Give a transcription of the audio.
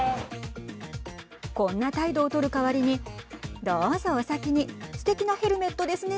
こんな態度を取る代わりにどうぞお先にすてきなヘルメットですね。